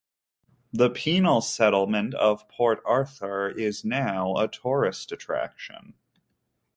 The penal settlement of Port Arthur is now a tourist attraction.